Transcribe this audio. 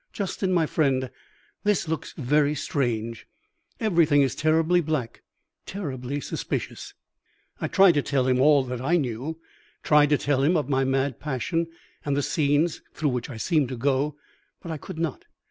"Justin, my friend, this looks very strange. Everything is terribly black, terribly suspicious." I tried to tell him all I knew; tried to tell him of my mad passion, and the scenes through which I seemed to go; but I could not.